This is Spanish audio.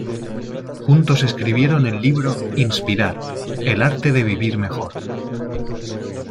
Juntos escribieron el libro "Inspirar: el arte de vivir mejor".